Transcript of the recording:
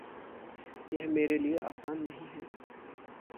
यह मेरे लिये आसान नहीं है।